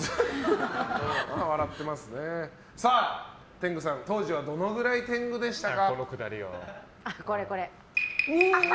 天狗さん、当時はどのぐらい天狗でしたか？